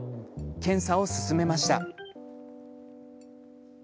検査を勧めました。